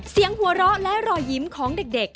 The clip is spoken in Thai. เสียงหัวเราะและรอยยิ้มของเด็ก